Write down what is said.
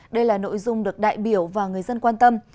đây là nội dung được đại biểu và người dân quan tâm